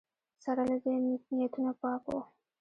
سره له دې نیتونه پاک وو